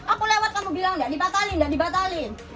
aku lewat kamu bilang gak dibatalin gak dibatalin